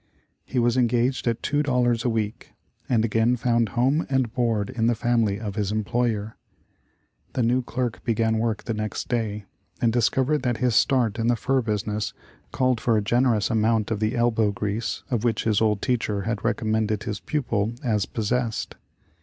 He was engaged at two dollars a week, and again found home and board in the family of his em ployer. The new clerk began work the next day, and discovered that his start in the fur business called for a generous amount of the elbow grease, of which his old teacher had recommended his pupil as possessed.